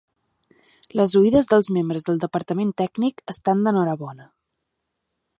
Les oïdes dels membres del departament tècnic estan d'enhorabona.